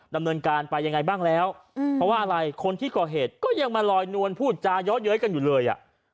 ดำเนินการไปยังไงบ้างแล้วเพราะว่าอะไรคนที่ก่อเหตุก็ยังมาลอยนวลพูดจาเยอะเย้ยกันอยู่เลยอ่ะ